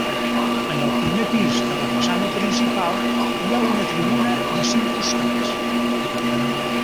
En el primer pis de la façana principal hi ha una tribuna de cinc costats.